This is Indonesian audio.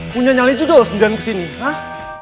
punya nyali judul sendirian kesini hah